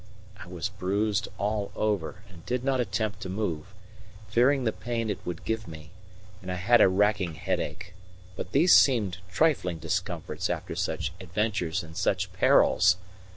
I was bruised all over and did not attempt to move, fearing the pain it would give me; and I had a racking headache; but these seemed trifling discomforts after such adventures and such perils.